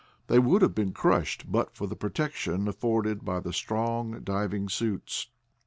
They would have been crushed but for the protection afforded by the strong diving suits.